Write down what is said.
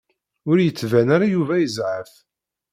Ur yettban ara Yuba yezɛef.